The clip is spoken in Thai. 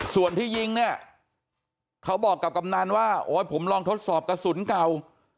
ส่วนที่ยิงเนี่ยเขาบอกกับกำนันว่าโอ๊ยผมลองทดสอบกระสุนเก่า